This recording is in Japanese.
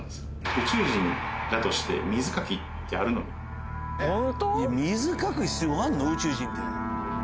宇宙人だとして水かきってあるの？の宇宙人って。